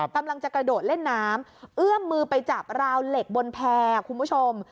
กำลังจะกระโดดเล่นน้ำเอื้อมมือไปจับราวเหล็กบนแพร่คุณผู้ชม